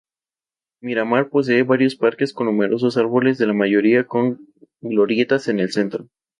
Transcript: Miramar posee varios parques con numerosos árboles la mayoría con glorietas en el centro.